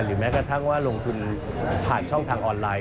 แม้กระทั่งว่าลงทุนผ่านช่องทางออนไลน์